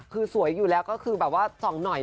คือสวยอยู่แล้วก็คือแบบว่าส่องหน่อย